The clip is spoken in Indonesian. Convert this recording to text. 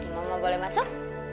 mama boleh masuk